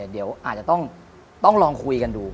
เดี๋ยวอาจจะต้องลองคุยกันดู